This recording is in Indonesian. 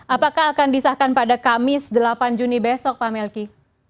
apakah akan disahkan pada kamis delapan juni besok pak melki